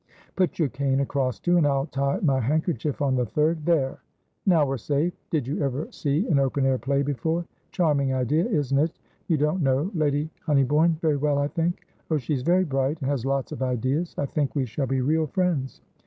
Put your cane across two, and I'll tie my handkerchief on the third. There! Now we're safe. Did you ever see an open air play before? Charming idea, isn't it? You don't know Lady Honeybourne very well, I think? Oh, she's very bright, and has lots of ideas. I think we shall be real friends.